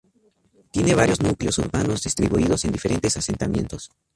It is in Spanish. Tiene varios núcleos urbanos distribuidos en diferentes asentamientos.